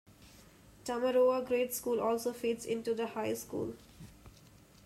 Tamaroa grade school also feeds into the high school.